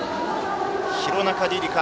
廣中璃梨佳